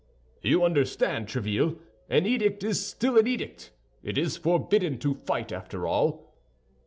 "You understand, Tréville—an edict is still an edict, it is forbidden to fight, after all."